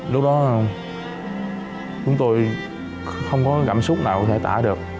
lúc đó chúng tôi không có cảm xúc nào có thể tả được